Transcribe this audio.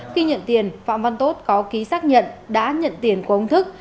khi nhận tiền phạm văn tốt có ký xác nhận đã nhận tiền của ông thức